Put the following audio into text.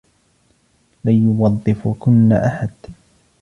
لن يوظفكن أحد.